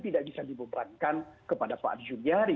tidak bisa dibebankan kepada pak juliari